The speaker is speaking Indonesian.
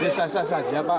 iya saya sah saja pak